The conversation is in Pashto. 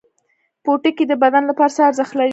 پوټکی د بدن لپاره څه ارزښت لري؟